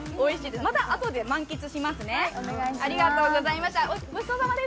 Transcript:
またあとで満喫しますね。